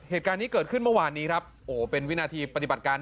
บุคคโหว่านี้ครับเป็นวินาทีปฏิบัติการ